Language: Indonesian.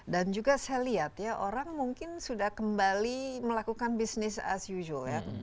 dan juga saya lihat orang mungkin sudah kembali melakukan bisnis as usual